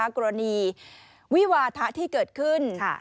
กรณีวิวาทะที่เกิดขึ้น